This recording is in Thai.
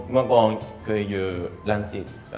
เมื่อก่อนเคยอยู่บิลลันซิด